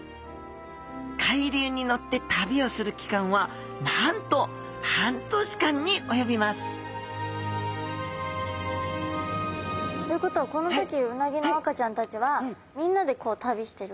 海流に乗って旅をする期間はなんと半年間に及びますということはこの時うなぎの赤ちゃんたちはみんなで旅してる感じなんですか？